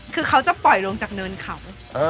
เค้าจะปล่อยลงจากเนินเขา